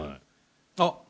あっ！